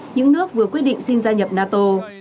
những nước vừa quyết định xin gia nhập nato